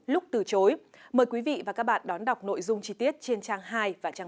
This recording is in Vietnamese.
lúc từ chối mời quý vị và các bạn đón đọc nội dung chi tiết trên trang hai và trang ba